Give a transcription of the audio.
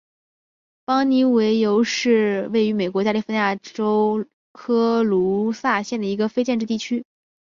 邦妮维尤是位于美国加利福尼亚州科卢萨县的一个非建制地区。